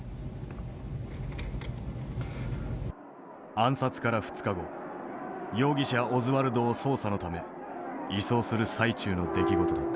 暗殺から２日後容疑者オズワルドを捜査のため移送する最中の出来事だった。